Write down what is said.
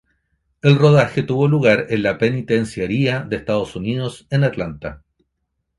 El rodaje tuvo lugar en la Penitenciaría de Estados Unidos en Atlanta.